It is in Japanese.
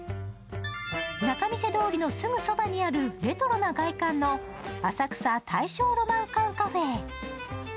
仲見世通りのすぐそばにあるレトロな外観の浅草大正ロマン館カフェ。